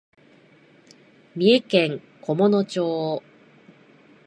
三重県菰野町